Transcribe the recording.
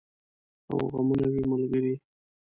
او غمونه وي ملګري